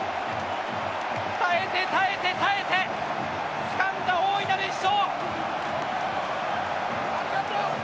耐えて耐えて耐えてつかんだ、大いなる一勝。